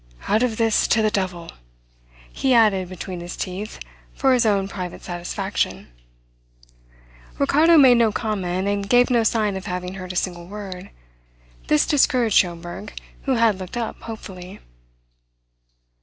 "Out of this to the devil," he added between his teeth for his own private satisfaction. Ricardo made no comment, and gave no sign of having heard a single word. This discouraged Schomberg, who had looked up hopefully.